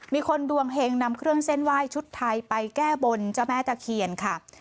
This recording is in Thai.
มีคนดวงเฮงนำเครื่องเส้นไหว้ชุดไทยไปแก้บนเจ้าแม่ตะเคียนค่ะ